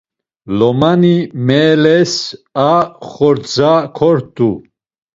Lomani meeles a xordza kort̆u.